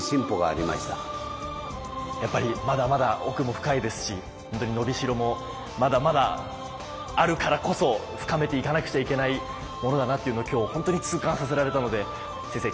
やっぱりまだまだ奥も深いですしほんとに伸びしろもまだまだあるからこそ深めていかなくちゃいけないものだなというのを今日本当に痛感させられたので先生